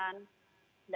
dan juga maksudnya